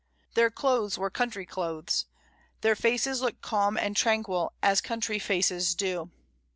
Their clothes were country clothes, their faces looked calm and tranquil as country faces do.